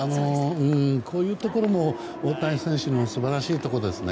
こういうところも大谷選手の素晴らしいところですね。